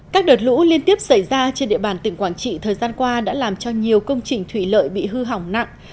các đợt lũ liên tiếp xảy ra trên địa bàn tỉnh quảng trị thời gian qua đã làm cho nhiều công trình thủy lợi bị hư hỏng nặng